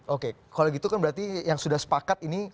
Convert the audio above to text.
oke kalau gitu kan berarti yang sudah sepakat ini